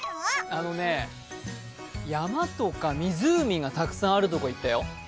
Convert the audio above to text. あのね、山とか湖がたくさんあるところに行ったよ。